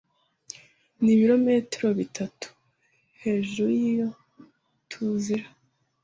Nibirometero bitatu hejuru yiyo TUZIra.